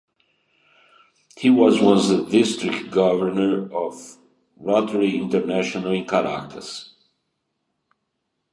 He was once the District Governor of Rotary International in Caracas.